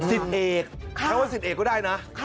ศิษย์เอกแค่ว่าศิษย์เอกก็ได้นะ